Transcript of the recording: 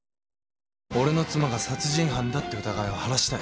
俺の妻が殺人犯だっていう疑いを晴らしたい。